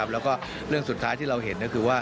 แล้วก็เรื่องสุดท้ายที่เราเห็นก็คือว่า